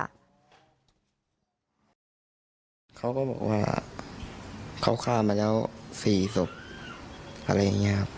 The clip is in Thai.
เขาก็บอกว่าเขาฆ่ามาแล้ว๔ศพอะไรอย่างนี้ครับ